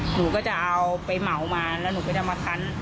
หนูก็จะเอาไปเหมามาแล้วหนูก็จะมาคัน